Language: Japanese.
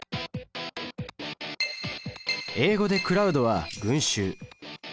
英語でクラウドは「群衆」。